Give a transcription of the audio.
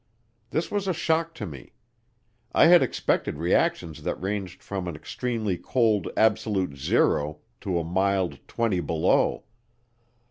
This was a shock to me. I had expected reactions that ranged from an extremely cold absolute zero to a mild twenty below.